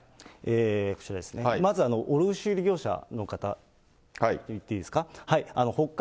こちらですね、卸売業者の方、いっていいですか？